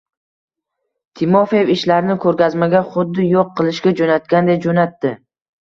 Timofeev ishlarini koʻrgazmaga xuddi yoʻq qilishga joʻnatganday joʻnatdi.